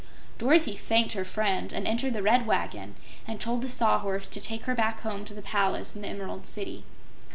Dorothy thanked her friend and entered the Red Wagon and told the Sawhorse to take her back home to the palace in the Emerald City.